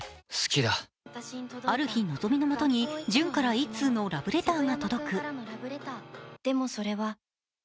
ある日、希美のもとに潤から１通のラブレターが届く。